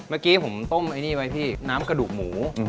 เมื่อกี้ผมต้มไอ้นี่ไว้พี่น้ำกระดูกหมู